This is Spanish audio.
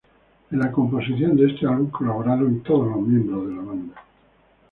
En la composición de este álbum colaboraron todos los miembros de la banda.